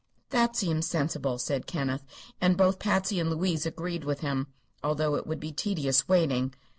"That seems sensible," said Kenneth, and both Patsy and Louise agreed with him, although it would be tedious waiting.